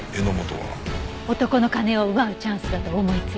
男の金を奪うチャンスだと思いついた。